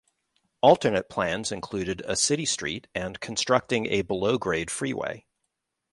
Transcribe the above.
Alternate plans included a city street and constructing a below-grade freeway.